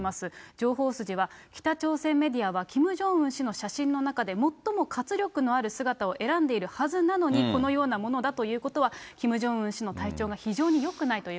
情報筋は、北朝鮮メディアは、キム・ジョンウン氏の写真の中で最も活力のある姿を選んでいるはずなのに、このようなものだということは、キム・ジョンウン氏の体調が非常によくないという。